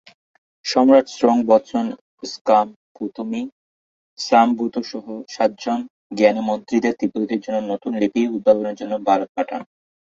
সম্রাট স্রোং-ব্ত্সন-স্গাম-পো থু-মি-সাম-ভো-তা সহ সাতজন জ্ঞানী মন্ত্রীদের তিব্বতীদের জন্য নতুন লিপি উদ্ভাবনের জন্য ভারত পাঠান।